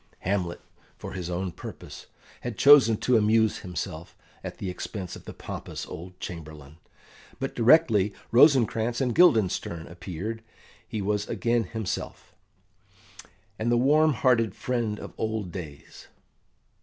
Hamlet, for his own purpose, had chosen to amuse himself at the expense of the pompous old Chamberlain, but directly Rosencrantz and Guildenstern appeared he was again himself, and the warm hearted friend of old days.